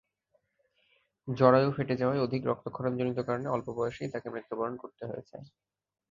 জরায়ু ফেটে যাওয়ায় অধিক রক্তক্ষরণজনিত কারণে অল্প বয়সেই মৃত্যুবরণ করতে হয়েছে তাকে।